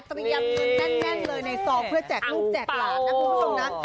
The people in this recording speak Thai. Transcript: ตรงนี้ทำเงินแน่ในซองเพื่อฉักล้าง